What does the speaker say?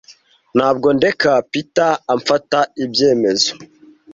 Ntabwo ndeka Peter amfata ibyemezo.